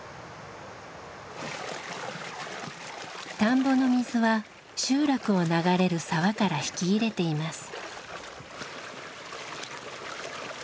田んぼの水は集落を流れる沢から引き入れています。